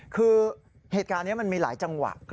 คือเหตุการณ์นี้มันมีหลายจังหวะ